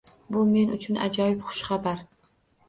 Bu men uchun ajoyib xushxabar edi.